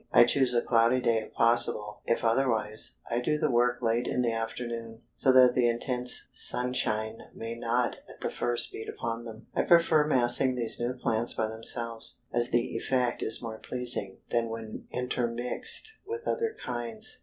I choose a cloudy day if possible; if otherwise, I do the work late in the afternoon, so that the intense sunshine may not at the first beat upon them. I prefer massing these new plants by themselves, as the effect is more pleasing than when intermixed with other kinds.